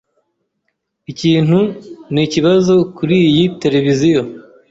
Ikintu nikibazo kuriyi televiziyo.